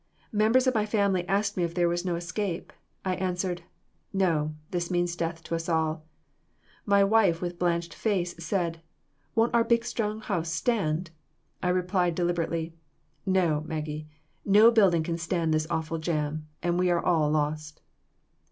"Members of my family asked me if there was no escape. I answered, 'No; this means death to us all.' My wife with blanched face said, 'Won't our big strong house stand?' I replied deliberately: 'No, Maggie; no building can stand this awful jam, and we are all lost.